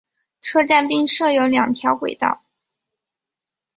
车站并设有两条轨道。